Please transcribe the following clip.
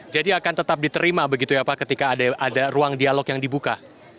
jadi akan tetap diterima begitu ya pak ketika ada ruang dialog yang dibuka